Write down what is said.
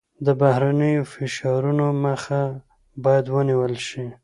د بهرنیو فشارونو مخه باید ونیول شي.